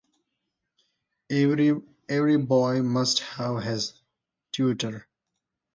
Every boy must have his tutor.